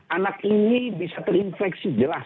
anak ini bisa terinfeksi jelas